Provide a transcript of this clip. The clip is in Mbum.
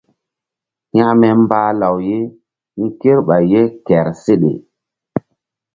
Hekme mbah law ye hi̧ kerɓay ye kehr seɗe.